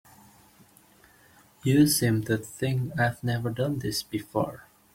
You seem to think I've never done this before.